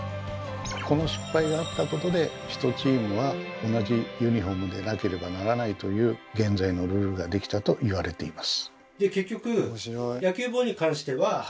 この失敗があったことで１チームは同じユニフォームでなければならないという現在のルールができたと言われています。